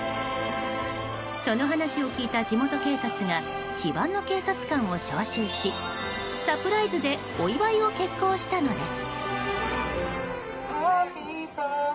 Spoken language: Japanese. その話を聞いた地元警察が非番の警察官を招集しサプライズでお祝いを決行したのです。